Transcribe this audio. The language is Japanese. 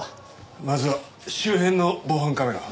まずは周辺の防犯カメラを。